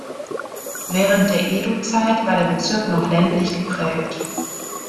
Während der Edo-Zeit war der Bezirk noch ländlich geprägt.